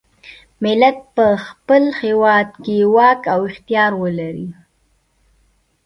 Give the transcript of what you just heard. ملت په خپل هیواد کې واک او اختیار ولري.